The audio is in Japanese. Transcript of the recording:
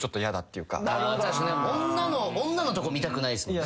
女のとこ見たくないっすもんね。